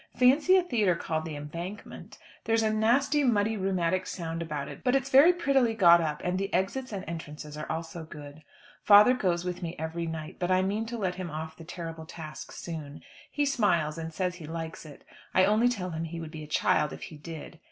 Fancy a theatre called "The Embankment"! There is a nasty muddy rheumatic sound about it; but it's very prettily got up, and the exits and entrances are also good. Father goes with me every night, but I mean to let him off the terrible task soon. He smiles, and says he likes it. I only tell him he would be a child if he did.